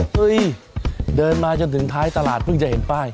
เฮ้ยเดินมาจนถึงท้ายตลาดเพิ่งจะเห็นป้าย